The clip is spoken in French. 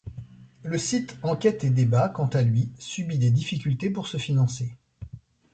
Le site Enquête et Débat, quant à lui, subit des difficultés pour se financer.